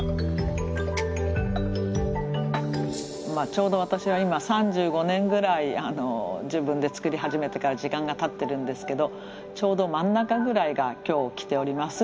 ちょうど私は今３５年ぐらい自分で作り始めてから時間がたってるんですけどちょうど真ん中ぐらいが今日来ております